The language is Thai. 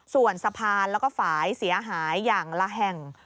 ส่วนสะพานแล้วก็ฝ่ายเสียหายอย่างละแห่ง